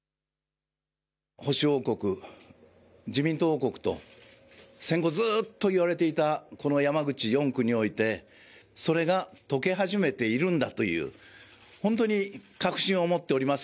保守王国、自民党王国と戦後、ずっと言われていたこの山口４区においてそれがとけ始めているんだという本当に確信を持っています。